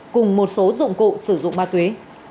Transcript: cùng một số dụng cụ sử dụng ma tuế